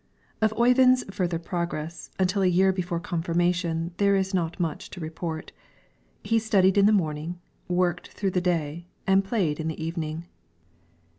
Of Oyvind's further progress until a year before confirmation there is not much to report. He studied in the morning, worked through the day, and played in the evening.